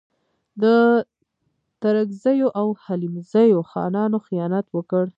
د ترکزیو او حلیمزیو خانانو خیانت وکړ.